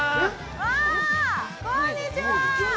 わあ、こんにちは。